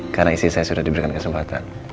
karena isi saya sudah diberikan kesempatan